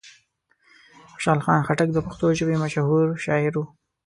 خوشحال خان خټک د پښتو ژبې مشهور شاعر و.